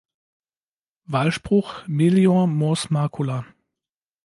Wahlspruch: "Melior mors macula".